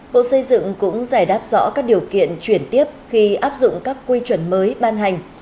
bộ xây dựng cũng giải đáp rõ các điều kiện chuyển tiếp khi áp dụng các quy chuẩn mới ban hành